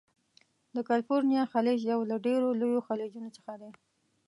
د کلفورنیا خلیج یو له ډیرو لویو خلیجونو څخه دی.